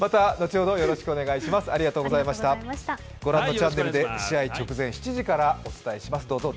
ご覧のチャンネルで試合直前、７時からお伝えします。